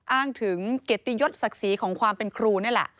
อ้างถึงเกียรติยศศักดิ์ศรีของความเป็นครูนี่แหละ